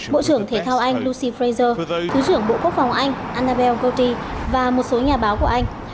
bộ trưởng thể thao anh luxy fraser thứ trưởng bộ quốc phòng anh annabel goti và một số nhà báo của anh